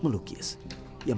perayaan itu bebas lagi